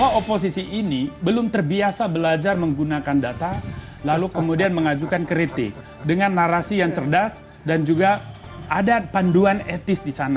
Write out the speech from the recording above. bahwa oposisi ini belum terbiasa belajar menggunakan data lalu kemudian mengajukan kritik dengan narasi yang cerdas dan juga ada panduan etis di sana